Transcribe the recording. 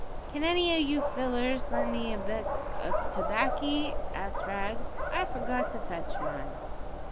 "Can any o' you fellers lend me a bit o' baccy?" asked Rags. "I've forgot to fetch mine."